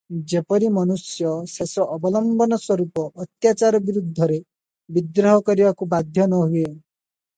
ଯେପରି ମନୁଷ୍ୟ ଶେଷ ଅବଲମ୍ବନ ସ୍ୱରୂପ ଅତ୍ୟାଚାର ବିରୁଦ୍ଧରେ ବିଦ୍ରୋହ କରିବାକୁ ବାଧ୍ୟ ନ ହୁଏ ।